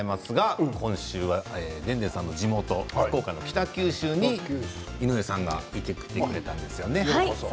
今週はでんでんさんの地元福岡の北九州に井上さんが行ってくれたんですよね。